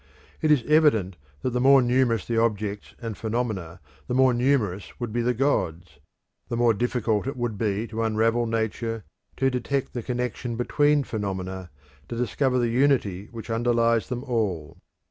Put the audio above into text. It is evident that the more numerous the objects and phenomena, the more numerous would be the gods, the more difficult it would be to unravel Nature, to detect the connection between phenomena, to discover the unity which underlies them all.